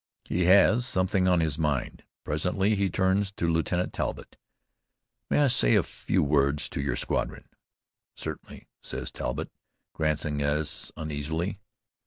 He has something on his mind. Presently he turns to Lieutenant Talbott. "May I say a few words to your squadron?" "Certainly," says Talbott, glancing at us uneasily.